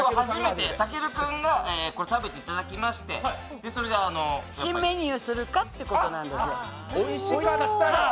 たける君が、食べていただきまして新メニューにするかということなんですよ。